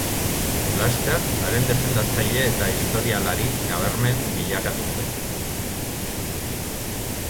Laster haren defendatzaile eta historialari nabarmen bilakatu zen.